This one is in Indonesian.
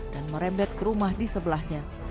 dan merembet ke rumah di sebelahnya